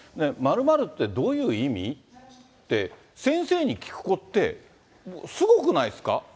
○○ってどういう意味？って、先生に聞く子って、すごくないですか？